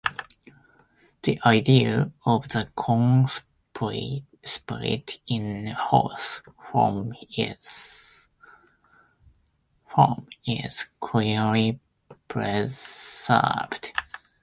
The idea of the corn spirit in horse form is clearly preserved.